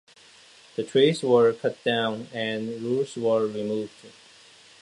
The trees were cut down and roots were removed.